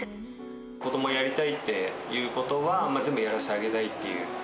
子どもがやりたいということは、全部やらせてあげたいっていう。